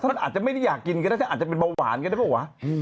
ท่านอาจจะไม่ได้อยากกินก็ได้อาจจะเป็นเบาหวานก็ได้หรือเปล่า